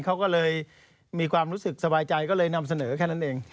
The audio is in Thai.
เขาก็เลยมีความรู้สึกสบายใจก็เลยนำเสนอแค่นั้นเอง